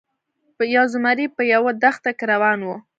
یو زمری په یوه دښته کې روان و.